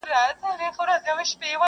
څه خبره وم چي خوري به یې بلاوي.